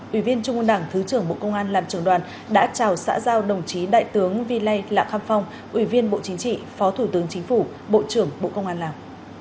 ủy viên trung ương đảng thứ trưởng bộ công an làm trường đoàn đã chào xã giao đồng chí đại tướng vi lây lạ kham phong ủy viên bộ chính trị phó thủ tướng chính phủ bộ trưởng bộ công an lào